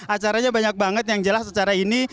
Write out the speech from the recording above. acaranya banyak banget yang jelas secara ini